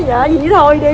dạ vậy thôi đi